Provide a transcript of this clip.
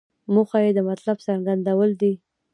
موخه یې د مطلب څرګندول دي.